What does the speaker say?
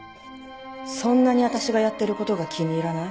そんなに私がやってる事が気に入らない？